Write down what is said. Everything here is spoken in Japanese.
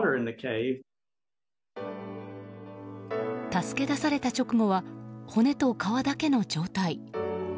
助け出された直後は骨と皮だけの状態。